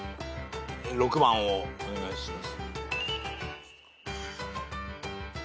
６番をお願いします。